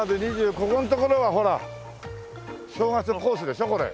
ここの所はほら正月のコースでしょこれ。